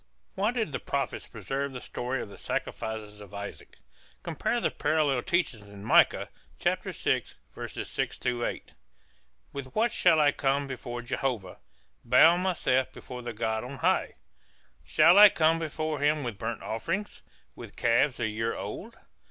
Why did the prophets preserve the story of the sacrifices of Isaac? Compare the parallel teaching in Micah 6:6 8. With what shall I come before Jehovah, Bow myself before the God on high? Shall I come before him with burnt offerings, With calves a year old?